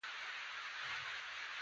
د کراچۍ او پېښور حوزې پکې یادیږي.